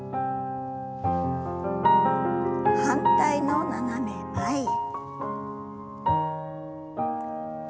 反対の斜め前へ。